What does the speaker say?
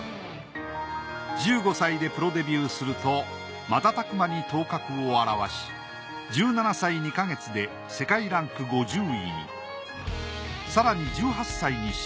１５歳でプロデビューすると瞬く間に頭角を現し１７歳２ヵ月で世界ランク５０位に。